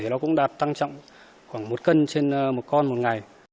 nó cũng đạt tăng trọng khoảng một cân trên một con một ngày